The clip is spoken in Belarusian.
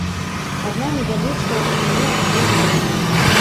Адна невялічкая ў мяне ўжо ёсць.